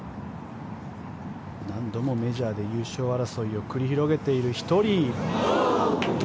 何度もメジャーで優勝争いを繰り広げている１人。